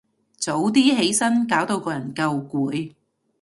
早啲起身，搞到個人夠攰